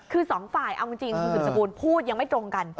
คือ๒ฝ่ายเอาจริงถึงสมบูรณ์พูดยังไม่ตรงกัน